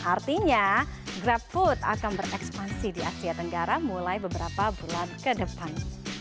artinya grab food akan berekspansi di asia tenggara mulai beberapa bulan ke depan